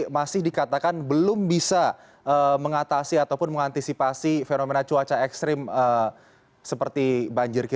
masyarakat harus bertanggung jawab juga terhadap banjir